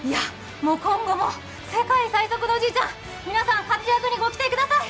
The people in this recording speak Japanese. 今後も世界最速のおじいちゃん、皆さん、活躍にご期待ください。